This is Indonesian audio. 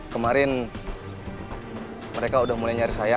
kemarin mereka udah mulai nyari saya